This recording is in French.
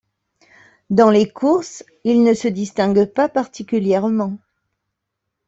Dans les courses, il ne se distingue pas particulièrement.